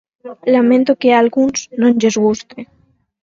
Lamento que a algúns non lles guste.